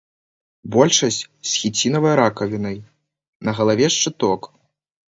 Большасць з хіцінавай ракавінай, на галаве шчыток.